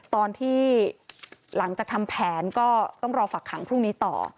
ตอนที่หลังจากทำแผนก็ต้องรอฝักขังพรุ่งนี้ต่อ